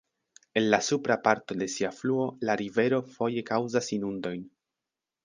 En la supra parto de sia fluo la rivero foje kaŭzas inundojn.